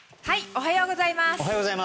おはようございます。